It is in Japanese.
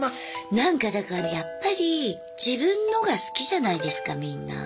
なんかだからやっぱり自分のが好きじゃないですかみんな。